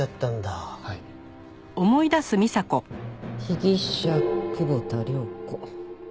「被疑者久保田涼子」。